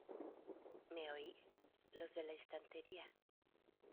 ¿ Me oís? Los de la estantería